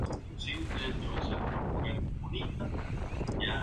Sámano se vio obligado a retirarse a El Tambo.